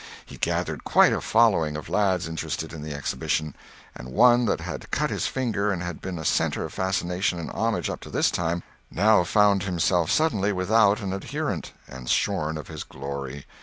He gathered quite a following of lads interested in the exhibition; and one that had cut his finger and had been a centre of fascination and homage up to this time, now found himself suddenly without an adherent, and shorn of his glory.